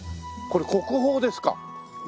これ国宝ですか？